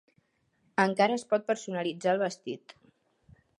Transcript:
Encara es pot personalitzar el vestit.